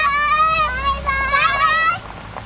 バイバーイ！